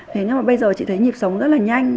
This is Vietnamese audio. thế nhưng mà bây giờ chị thấy nhịp sống rất là nhanh